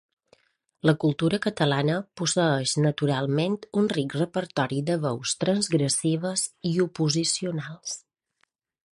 La cultura catalana posseeix naturalment un ric repertori de veus transgressives i oposicionals.